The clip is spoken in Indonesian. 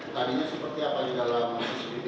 tadinya seperti apa di dalam